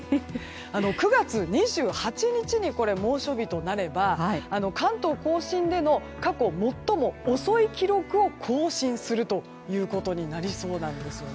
９月２８日に猛暑日となれば関東・甲信での過去最も遅い記録を更新するということになりそうです。